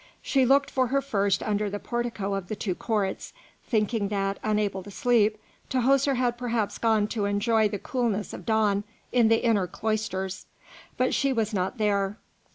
She looked for her first under the portico of the two courts, thinking that, unable to sleep, Tahoser had perhaps gone to enjoy the coolness of dawn in the inner cloisters; but she was not there.